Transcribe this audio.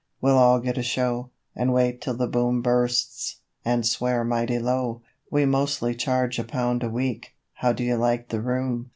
we'll all get a show; And wait till the Boom bursts, and swear mighty low. 'We mostly charge a pound a week. How do you like the room?